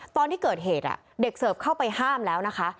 ตอนที่เกิดเหตุเด็กเสิร์ฟเข้าไปห้ามแล้วนะคะ